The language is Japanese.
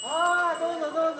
どうぞどうぞ。